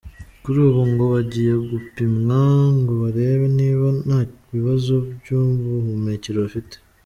Kuri ubu ngo bagiye gupimwa ngo barebe niba nta bibazo by'ubuhumekero bafite.